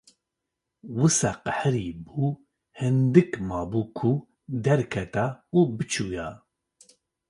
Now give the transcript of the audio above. Wisa qehirîbû, hindik mabû ku derketa û biçûya.